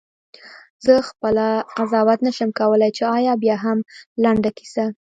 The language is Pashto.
زه خپله قضاوت نه شم کولای چې آیا بیاهم لنډه کیسه؟ …